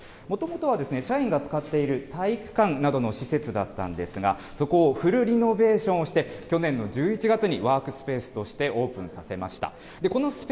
もともとは社員が使っている体育館などの施設だったんですが、そこをフルリノベーションして、去年の１１月に、ワークスペースとしてオープンさせました。